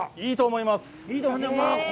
いいと思います！